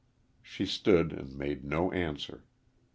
She stood and made no answer.